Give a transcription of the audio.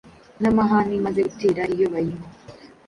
Namahane Imaze Gutera Iyo Bayima